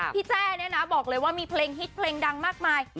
แจ้เนี่ยนะบอกเลยว่ามีเพลงฮิตเพลงดังมากมาย